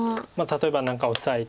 例えば何かオサエ。